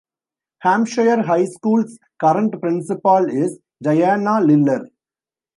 Hampshire High School's current principal is DiAnna Liller.